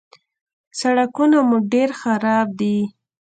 _سړکونه مو ډېر خراب دي.